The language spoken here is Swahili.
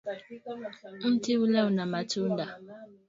Mti ule una matunda.